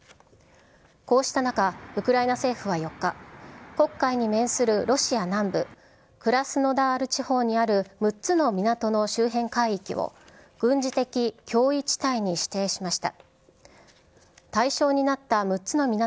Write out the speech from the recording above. こうした中、ウクライナ政府は４日、黒海に面するロシア南部クラスノダール地方にある６つの港の周辺海域を、軍事的脅威地帯に指定しました。